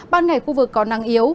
ban ngày khu vực có nắng yếu